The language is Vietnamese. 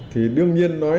thì đương nhiên nói